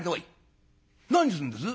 「何すんです？」。